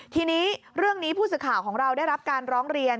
ทีนี้เรื่องนี้ผู้สื่อข่าวของเราได้รับการร้องเรียน